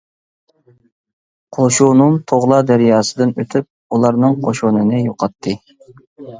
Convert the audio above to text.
قوشۇنۇم تۇغلا دەرياسىدىن ئۆتۈپ، ئۇلارنىڭ قوشۇنىنى يوقاتتى.